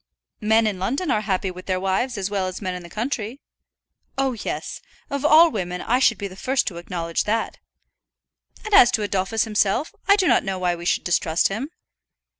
"Men in London are happy with their wives as well as men in the country." "Oh, yes; of all women I should be the first to acknowledge that." "And as to Adolphus himself, I do not know why we should distrust him."